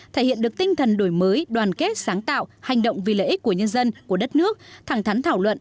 thể hiện được tinh thần đổi mới đoàn kết sáng tạo hành động vì lợi ích của nhân dân của đất nước thẳng thắn thảo luận